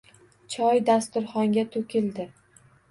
Choy dasturxonga to‘kildi